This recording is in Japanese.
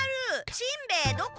しんべヱどこ？